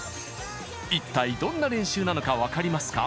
一体どんな練習なのか分かりますか？